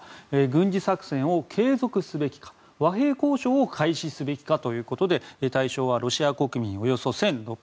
軍事作戦を継続すべきか和平交渉を開始すべきかということで対象はロシア国民およそ１６００人。